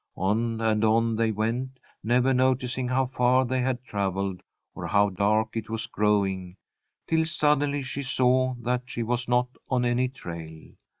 On and on they went, never noticing how far they had travelled or how dark it was growing, till suddenly she saw that she was not on any trail.